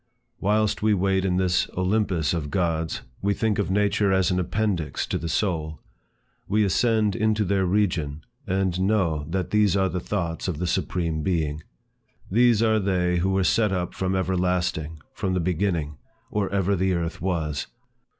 Whilst we wait in this Olympus of gods, we think of nature as an appendix to the soul. We ascend into their region, and know that these are the thoughts of the Supreme Being. "These are they who were set up from everlasting, from the beginning, or ever the earth was.